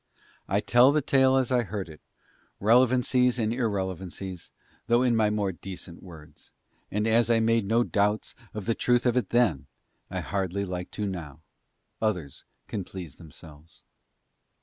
I tell the tale as I heard it, relevancies and irrelevancies, though in my more decent words; and as I made no doubts of the truth of it then, I hardly like to now; others can please themselves.